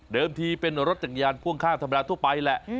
ทีเป็นรถจักรยานพ่วงข้างธรรมดาทั่วไปแหละ